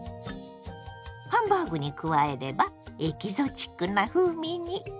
ハンバーグに加えればエキゾチックな風味に！